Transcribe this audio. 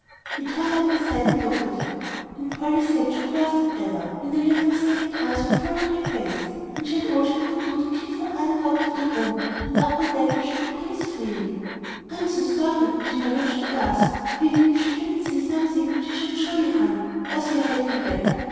He turned up his head and looked at her, and Polly's hand shook worse than ever when the little snapping eyes were full on her face, and she had all she could do to keep from running out of the room and up on deck where she could breathe freely. "I am so sorry," she managed to gasp, feeling if she didn't say something, she should surely run. "Does your head feel better?"